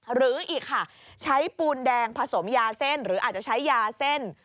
หรืออีกค่ะใช้ปูนแดงผสมยาเส้นหรืออาจจะใช้ยาเส้น